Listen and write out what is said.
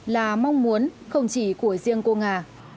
là mong muốn không chỉ của riêng cô hà